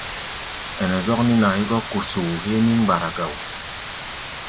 Ɛnɛ zɔ́k nín-a hégɔ́ kosoo héé nín-mgbara ga wo.